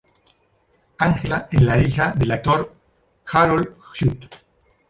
Angela es la hija del actor Harold Huth.